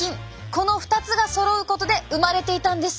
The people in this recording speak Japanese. この２つがそろうことで生まれていたんです！